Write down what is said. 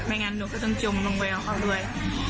งั้นหนูก็ต้องจมลงไปกับเขาด้วย